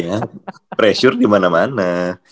ya pressure dimana mana